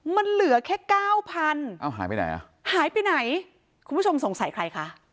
มันเหลือแค่เก้าพันอ้าวหายไปไหนอ่ะหายไปไหนคุณผู้ชมสงสัยใครคะ